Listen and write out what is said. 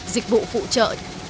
dịch vụ phụ trợ